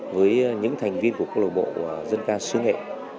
với những thành viên của câu lạc bộ dân ca sứ nghệ